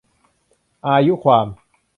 อายุความ